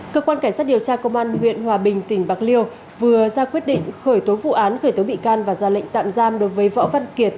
cơ quan cảnh sát điều tra công an huyện hòa bình tỉnh bạc liêu vừa ra quyết định khởi tố vụ án khởi tố bị can và ra lệnh tạm giam đối với võ văn kiệt